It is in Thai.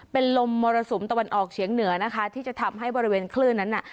เป็นลมมรสุมตะวันออกเฉียงเหนือนะคะที่จะทำให้บริเวณคลื่นนั้นน่ะ